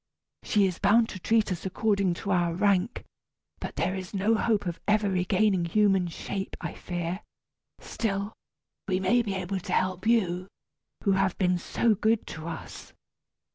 She is bound to treat us according to our rank, but there is no hope of ever regaining human shape, I fear. Still, we may be able to help you, who have been so good to us."